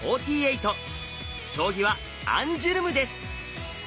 将棋はアンジュルムです。